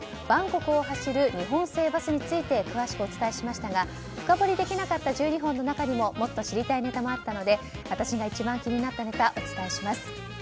バンコクを走る日本製バスについて詳しくお伝えしましたが深掘りできなかった１２本の中にもっと知りたいネタもあったので私が一番気になったネタをお伝えします。